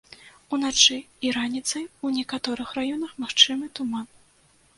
Уначы і раніцай у некаторых раёнах магчымы туман.